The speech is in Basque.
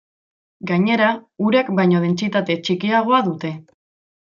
Gainera, urak baino dentsitate txikiagoa dute.